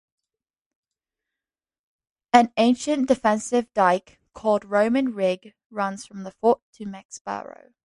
An ancient defensive dyke called Roman Rig runs from the fort to Mexborough.